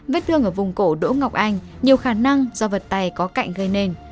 vết thương ở vùng cổ đỗ ngọc anh nhiều khả năng do vật tay có cạnh gây nên